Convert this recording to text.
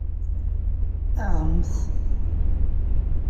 Aɣemt!